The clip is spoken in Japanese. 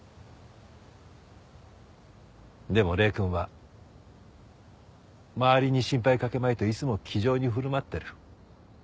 でも礼くんは周りに心配かけまいといつも気丈に振る舞っている。